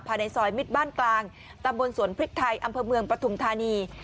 ภายในซอยมิตรบ้านกลางตำบลสวนพริกไทยอำเภอเมืองปฐุมธานี